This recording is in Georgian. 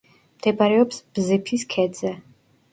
მდებარეობს ბზიფის ქედზე.